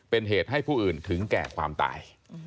เป็นเหตุให้ผู้อื่นถึงแก่ความตาย